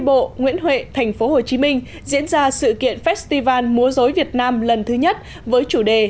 tây bộ nguyễn huệ thành phố hồ chí minh diễn ra sự kiện festival múa rối việt nam lần thứ nhất với chủ đề